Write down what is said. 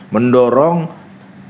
mendorong terjadinya dialog antara